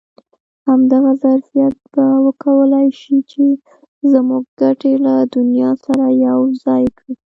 همدغه ظرفیت به وکولای شي چې زموږ ګټې له دنیا سره یو ځای کړي.